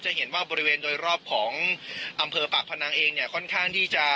เห็นว่าบริเวณโดยรอบของอำเภอปากพนังเองเนี่ยค่อนข้างที่จะ